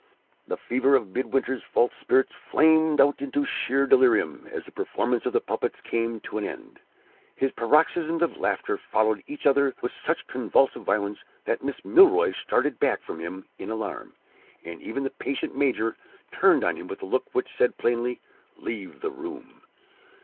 The fever of Midwinter's false spirits flamed out into sheer delirium as the performance of the puppets came to an end. His paroxysms of laughter followed each other with such convulsive violence that Miss Milroy started back from him in alarm, and even the patient major turned on him with a look which said plainly, Leave the room!